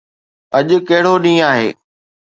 اڄ ڪهڙو ڏينهن آهي؟